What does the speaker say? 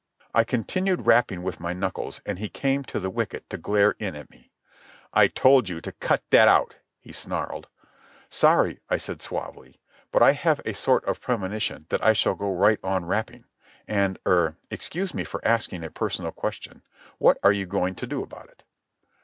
I continued rapping with my knuckles, and he came to the wicket to glare in at me. "I told you to out that out," he snarled. "Sorry," I said suavely. "But I have a sort of premonition that I shall go right on rapping. And—er—excuse me for asking a personal question—what are you going to do about it?"